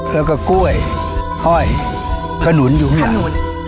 แล้วก็กล้วยห้อยขนุนอยู่ข้างหลัง